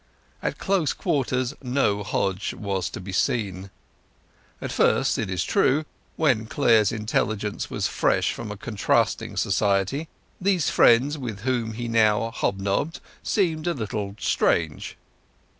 At close quarters no Hodge was to be seen. At first, it is true, when Clare's intelligence was fresh from a contrasting society, these friends with whom he now hobnobbed seemed a little strange.